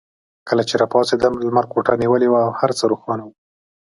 کله چې راپاڅېدم لمر کوټه نیولې وه او هر څه روښانه وو.